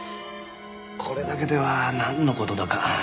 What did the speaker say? これだけではなんの事だか。